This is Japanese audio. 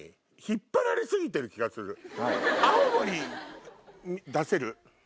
青森出せる？